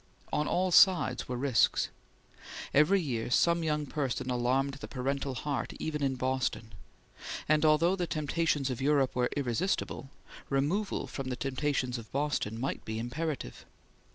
On all sides were risks. Every year some young person alarmed the parental heart even in Boston, and although the temptations of Europe were irresistible, removal from the temptations of Boston might be imperative.